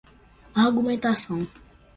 argumentação